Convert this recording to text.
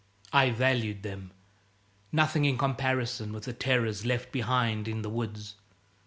I valued them nothing in comparison with the terrors left behind in the woods.